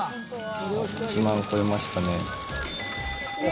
１万超えましたね。